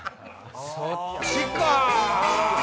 そっちか！